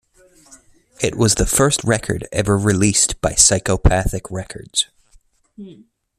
It was the first record ever released by Psychopathic Records.